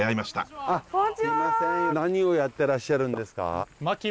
すみません何をやってらっしゃるんですか？